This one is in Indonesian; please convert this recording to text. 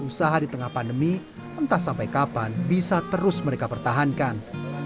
usaha di tengah pandemi entah sampai kapan bisa terus mereka pertahankan